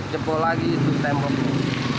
jebol lagi itu tembok